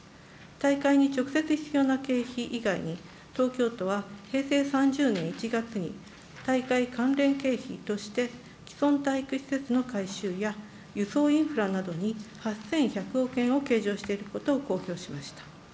大会に直接必要な経費以外に、東京都は平成３０年１月に、大会関連経費として、既存体育施設の改修や、輸送インフラなどに８１００億円を計上していることを公表しました。